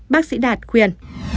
bác sĩ đạt khuyên